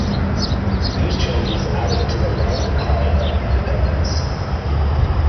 These changes added to the long decline of Independence.